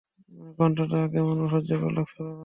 গন্ধটা কেমন অসহ্যকর লাগছে, বাবা!